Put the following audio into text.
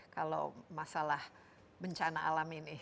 kalau masalah bencana alam ini